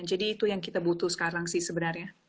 jadi itu yang kita butuh sekarang sih sebenarnya